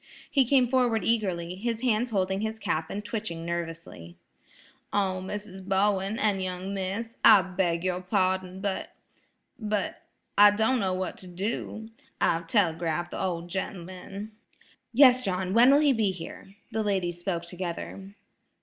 He came forward eagerly, his hands holding his cap and twitching nervously. "Oh, Mrs. Bowen an' young Miss, I beg your pardon, but–but–I don't know what to do. I've telegraphed the ol' gent'man– "Yes, John–when will he be here?" The ladies spoke together.